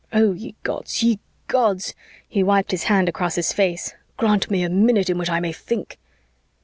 Oh, ye gods, ye gods " he wiped his hand across his face "grant me a minute in which I may think!"